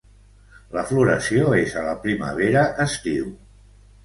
La floració és a la primavera-estiu.